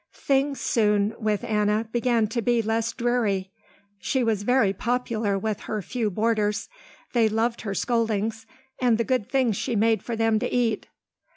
Things soon with Anna began to be less dreary. She was very popular with her few boarders. They loved her scoldings and the good things she made for them to eat.